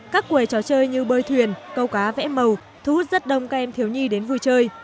các quầy trò chơi như bơi thuyền câu cá vẽ màu thu hút rất đông các em thiếu nhi đến vui chơi